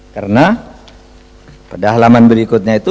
karena pada halaman berikutnya itu